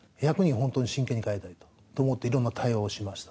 本当に真剣に変えたいと思って、いろんな対応をしました。